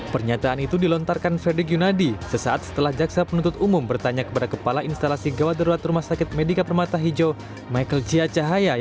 pernyataan itu dilontarkan frederick yunadi sesaat setelah jaksa penuntut umum bertanya kepada kepala instalasi gawat darurat rumah sakit medika permata hijau michael jia cahaya